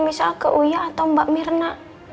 misal ke uya atau mbak mirna